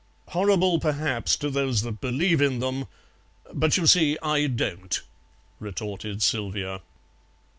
"Horrible perhaps to those that believe in them, but you see I don't," retorted Sylvia.